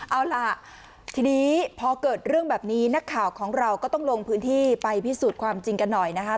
เอาล่ะทีนี้พอเกิดเรื่องแบบนี้นักข่าวของเราก็ต้องลงพื้นที่ไปพิสูจน์ความจริงกันหน่อยนะคะ